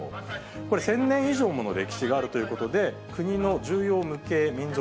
これ、１０００年以上もの歴史があるということで、国の重要無形民俗